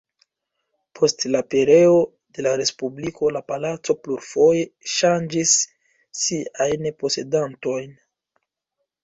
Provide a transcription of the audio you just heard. Post la pereo de la respubliko la palaco plurfoje ŝanĝis siajn posedantojn.